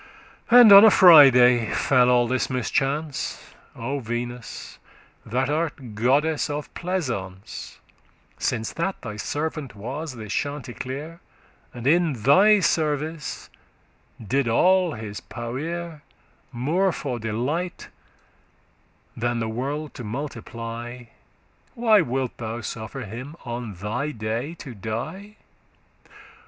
*regarded And on a Friday fell all this mischance. O Venus, that art goddess of pleasance, Since that thy servant was this Chanticleer And in thy service did all his powere, More for delight, than the world to multiply, Why wilt thou suffer him on thy day to die?